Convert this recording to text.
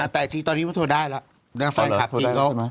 แต่ตอนนี้พ่อโทรได้แล้ว